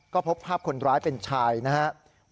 ก็พบภาพคนร้ายเป็นชายนะครับ